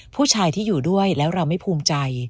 ผู้ชายที่อยู่ด้วยแล้วเราไม่ภูมิใจ